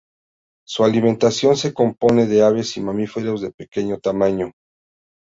Su alimentación se compone de aves y mamíferos de pequeño tamaño.